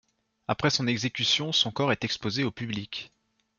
Après son exécution son corps est exposé au public.